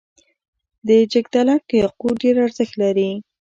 د جګدلک یاقوت ډیر ارزښت لري